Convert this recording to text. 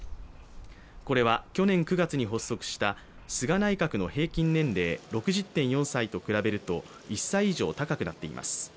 これは去年９月に発足した菅内閣の平均年齢６０．４歳と比べると１歳以上、高くなっています。